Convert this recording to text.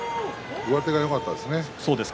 上手がよかったですね